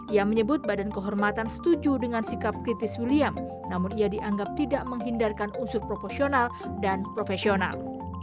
ia menyebut badan kehormatan setuju dengan sikap kritis william namun ia dianggap tidak menghindarkan unsur proporsional dan profesional